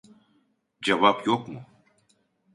Cevap yok mu